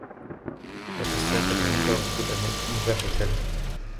لا تستيقظ عند كل نباح كلب.